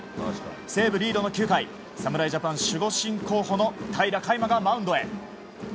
西武リードの９回侍ジャパン守護神候補の平良海馬がマウンドへ。